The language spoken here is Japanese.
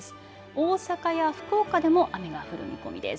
大阪や福岡でも雨が降る見込みです。